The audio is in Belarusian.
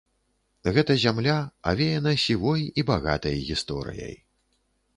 Гэта зямля авеяна сівой і багатай гісторыяй.